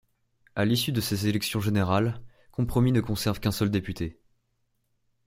A l'issue de ces élections générales, Compromís ne conserve qu'un seul député.